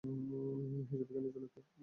হিসাববিজ্ঞানের জনক কে?